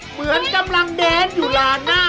เหมือนกำลังแดนอยู่ลานหน้า